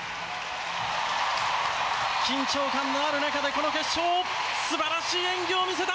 緊張感のある中で、この決勝、すばらしい演技を見せた！